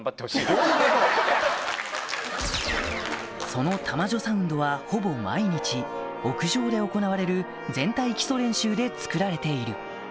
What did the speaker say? その玉女サウンドはほぼ毎日屋上で行われる全体基礎練習でつくられている